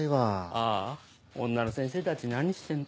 ああ女の先生たち何して。